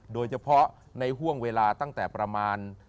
โดยเฉพาะในห่วงเวลาตั้งแต่ประมาณ